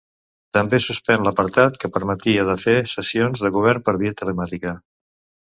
També suspèn l’apartat que permetia de fer sessions de govern per via telemàtica.